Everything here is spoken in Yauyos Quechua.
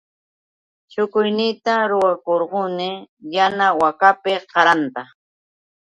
Shukuyniyta ruwakuruni yana wakapi qaranta.